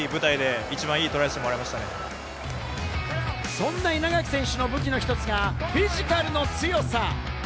そんな稲垣選手の武器の１つがフィジカルの強さ。